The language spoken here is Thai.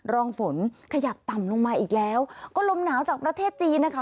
รองฝนขยับต่ำลงมาอีกแล้วก็ลมหนาวจากประเทศจีนนะคะ